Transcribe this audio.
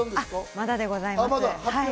まだでございます。